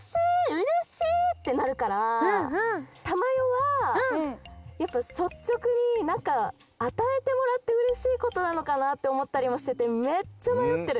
うれしい！ってなるからたまよはやっぱそっちょくになんかあたえてもらってうれしいことなのかなっておもったりもしててめっちゃまよってる。